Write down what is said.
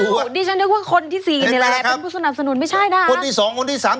โอ้โหดิฉันนึกว่าคนที่สี่นี่แหละเป็นผู้สนับสนุนไม่ใช่นะคนที่สองคนที่สาม